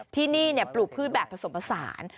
ที่นี่ปลูกพืชแบบผสมผสาน